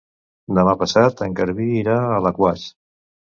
Demà passat en Garbí irà a Alaquàs.